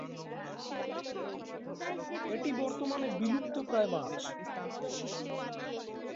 এটি বর্তমানে বিলুপ্তপ্রায় মাছ।